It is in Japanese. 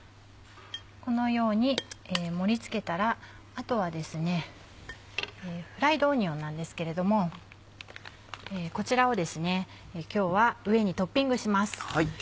このように盛り付けたらあとはフライドオニオンなんですけれどもこちらを今日は上にトッピングします。